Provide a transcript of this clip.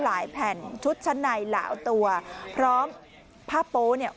หลายแผ่นชุดชั้นไหนเหล่าตัวพร้อมผ้าโปสต์เนี่ย